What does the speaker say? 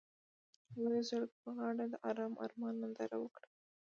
هغوی د سړک پر غاړه د آرام آرمان ننداره وکړه.